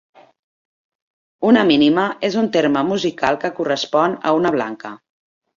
Una mínima és un terme musical que correspon a una blanca.